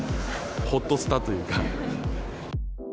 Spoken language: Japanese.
ほっとしたというか。